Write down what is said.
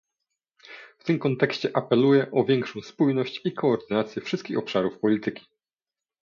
W tym kontekście apeluję o większą spójność i koordynację wszystkich obszarów polityki